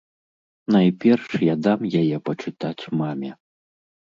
Найперш я дам яе пачытаць маме.